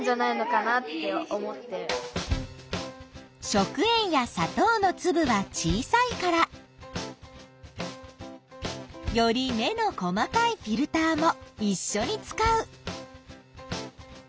食塩やさとうのつぶは小さいからより目の細かいフィルターもいっしょに使う。